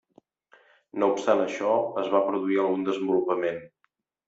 No obstant això, es va produir algun desenvolupament.